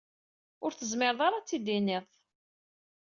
Ur tezmireḍ ara ad t-id-iniḍ-t.